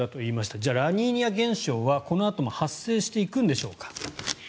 じゃあ、ラニーニャ現象はこのあとも発生していくんでしょうか。